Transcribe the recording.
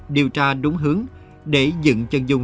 điều tra đúng hướng để dựng chân dung